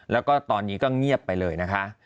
แล้วก็ตอนนี้ก็เงียบไปเลยนะคะ